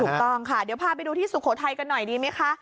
ถูกต้องค่ะเดี๋ยวพาไปดูที่สุโขทัยกันหน่อยดีไหมคะ